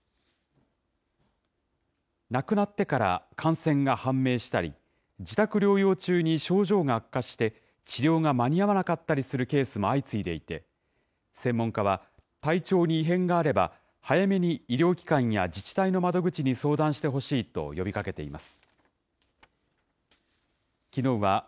亡くなってから感染が判明したり、自宅療養中に症状が悪化して、治療が間に合わなかったりするケースも相次いでいて、専門家は、体調に異変があれば、早めに医療機関や自治体の窓口に相談してほしいと呼びかけています。